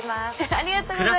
ありがとうございます。